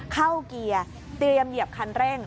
เข้าเกียร์เตรียมเหยียบคันเร่ง